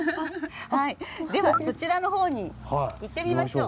ではそちらの方に行ってみましょう。